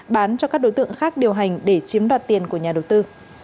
bán cho các đối tượng khác điều hành để chiếm đoạt tiền của nhà đầu tư